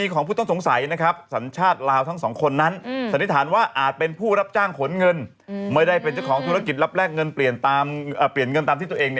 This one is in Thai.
ของธุรกิจรับแรกเงินเปลี่ยนตามที่ตัวเอง